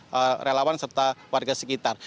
perelawan serta warga sekitar